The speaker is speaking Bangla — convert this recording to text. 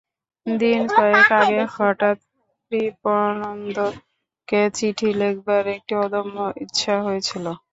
দিন কয়েক আগে হঠাৎ কৃপানন্দকে চিঠি লেখবার একটা অদম্য ইচ্ছা হয়েছিল।